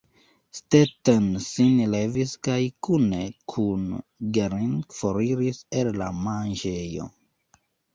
Stetten sin levis kaj kune kun Gering foriris el la manĝejo.